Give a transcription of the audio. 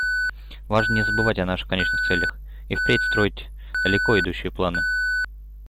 Важно не забывать о наших конечных целях и впредь строить далеко идущие планы.